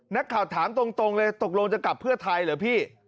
นักข่าวถามตรงเลยตกลงจะกลับเพื่อไทยเหรอพี่